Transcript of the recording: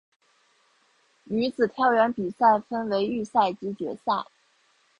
女子跳远比赛分为预赛及决赛。